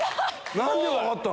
何で分かったの？